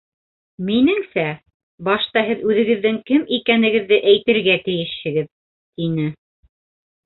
—Минеңсә, башта һеҙ үҙегеҙҙең кем икәнегеҙҙе әйтергә тейешһегеҙ, —тине.